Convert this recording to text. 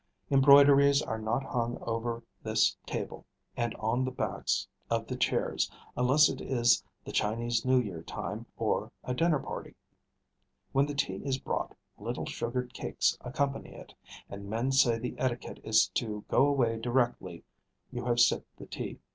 Embroideries are not hung over this table and on the backs of the chairs, unless it is the Chinese New Year time or a dinner party. When the tea is brought, little sugared cakes accompany it; and men say the etiquette is to go away directly you have sipped the tea.